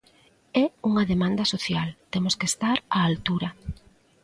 É unha demanda social, temos que estar á altura.